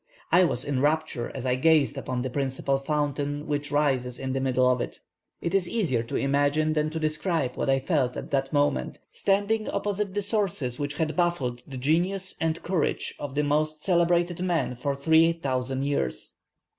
I was in rapture as I gazed upon the principal fountain which rises in the middle of it. It is easier to imagine than to describe what I felt at that moment, standing opposite the sources which had baffled the genius and courage of the most celebrated men for three thousand years."